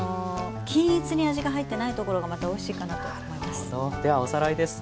均一に味が入ってないところがまたおいしいかなと思います。